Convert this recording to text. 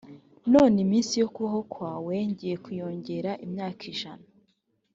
none iminsi yo kubaho kwawe ngiye kuyongeraho imyaka ijana